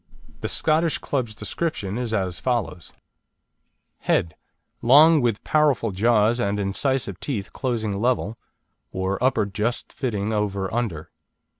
The Scottish Club's description is as follows: HEAD Long, with powerful jaws and incisive teeth closing level, or upper just fitting over under.